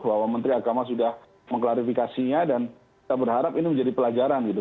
bahwa menteri agama sudah mengklarifikasinya dan kita berharap ini menjadi pelajaran gitu